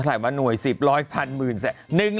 ถามมาหน่วย๑๐ร้อยพันหมื่นแสน